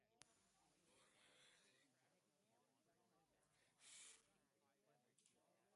He has two younger sisters named Lily Alice and Livia.